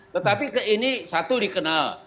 tetapi ini satu dikenal